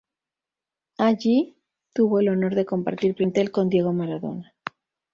Allí, tuvo el honor de compartir plantel con Diego Maradona.